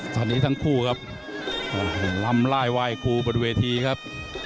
ตอนนี้ทั้งคู่ครับลำไล่ไหว้ครูบนเวทีครับ